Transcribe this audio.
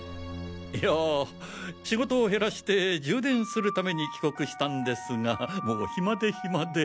いやぁ仕事を減らして充電するために帰国したんですがもうヒマでヒマで。